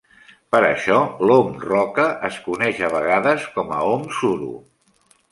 Per això, l'om roca es coneix a vegades com a om suro.